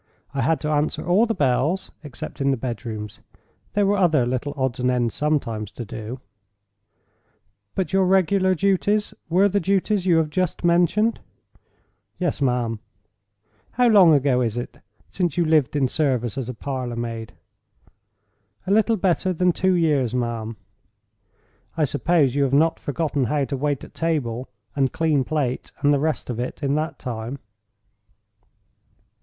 I had to answer all the bells, except in the bedrooms. There were other little odds and ends sometimes to do—" "But your regular duties were the duties you have just mentioned?" "Yes, ma'am." "How long ago is it since you lived in service as a parlor maid?" "A little better than two years, ma'am." "I suppose you have not forgotten how to wait at table, and clean plate, and the rest of it, in that time?"